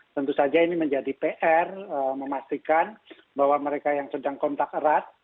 tentu saja ini menjadi pr memastikan bahwa mereka yang sedang kontak erat